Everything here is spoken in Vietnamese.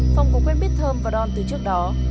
phong cũng quên biết thơm và don từ trước đó